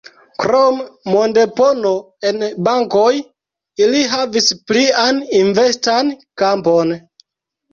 Krom mondepono en bankoj, ili havis plian investan kampon.